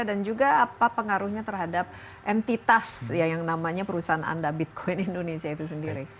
dan juga apa pengaruhnya terhadap entitas yang namanya perusahaan anda bitcoin indonesia itu sendiri